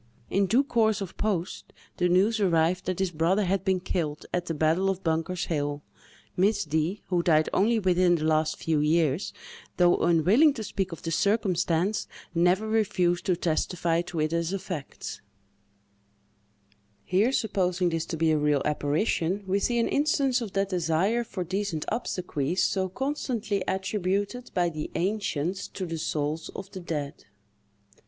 In due course of post, the news arrived that this brother had been killed at the battle of Bunker's hill. Miss D——, who died only within the last few years, though unwilling to speak of the circumstance, never refused to testify to it as a fact. Here, supposing this to be a real apparition, we see an instance of that desire for decent obsequies so constantly attributed by the ancients to the souls of the dead.